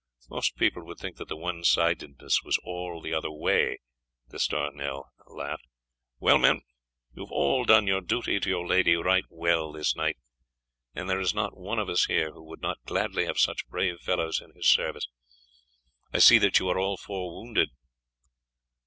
"Most people would think that the one sidedness was all the other way," D'Estournel laughed. "Well, men, you have all done your duty to your lady right well this night, and there is not one of us here who would not gladly have such brave fellows in his service. I see that you are all four wounded."